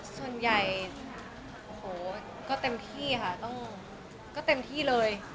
ส่วนใหญ่โอ้โหก็เต็มที่ค่ะต้องเต็มที่เลย